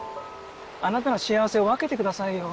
あなたの幸せを分けてくださいよ。